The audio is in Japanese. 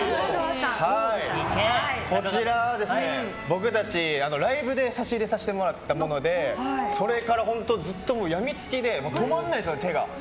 こちらは、僕たちライブで差し入れさせてもらったものでそれからずっと病みつきで止まらないんですよ、手が。